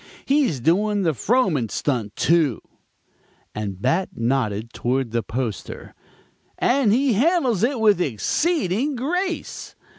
He's doing the Frohman stunt, too," and Bat nodded toward the poster, "and he handles it with exceeding grace.